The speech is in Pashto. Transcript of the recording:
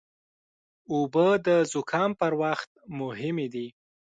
اوبه د زکام پر وخت مهمې دي.